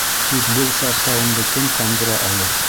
Тик был сарсауымды кем ҡандыра алыр?